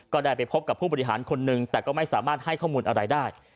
ก็ได้ไปพบกับผู้บริหารคนหนึ่งแต่ก็ไม่สามารถให้ข้อมูลอะไรได้